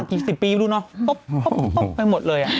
ต้นกุ้ยตรงสักสี่สิบปีไหมดูน้อย